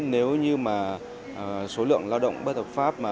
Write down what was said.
nếu như số lượng lao động bất hợp pháp